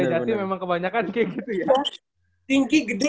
ya memang kebanyakan ya